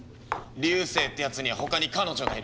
「流星ってやつにはほかに彼女がいる」。